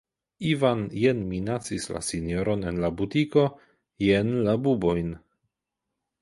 Ivan jen minacis la sinjoron en la butiko, jen la bubojn.